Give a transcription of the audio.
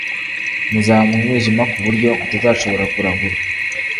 Muzaba mu mwijima ku buryo mutazashobora kuragura